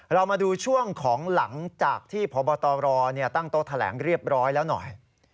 เรามาดูช่วงของหลังจากที่พบตรตั้งโต๊ะแถลงเรียบร้อยแล้วหน่อย